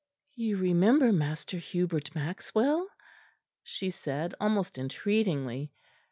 "You remember Master Hubert Maxwell?" she said almost entreatingly.